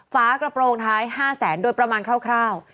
ฝากระโปรงท้าย๕แสนโดยประมาณคร่าว